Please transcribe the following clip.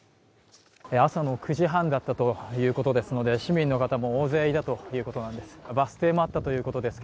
朝の９時半だったということですので市民の方も大勢いたということなんです。